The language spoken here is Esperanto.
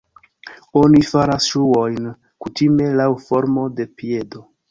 Oni faras ŝuojn kutime laŭ formo de piedo.